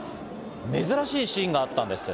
珍しいシーンがあったんです。